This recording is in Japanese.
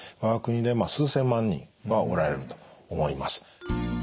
我が国でまあ数千万人はおられると思います。